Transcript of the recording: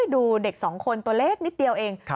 ดูเด็กสองคนตัวเล็กนิดเดียวเอง